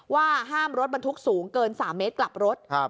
ว่าห้ามรถบรรทุกสูงเกิน๓เมตรกลับรถ